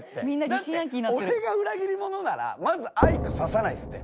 だって俺が裏切り者ならまずアイク指さないっすね